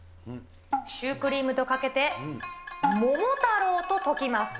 シュークリームとかけて、桃太郎と解きます。